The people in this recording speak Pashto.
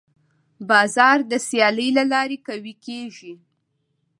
بازار د سیالۍ له لارې قوي کېږي.